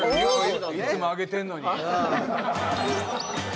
いつもあげてるのに。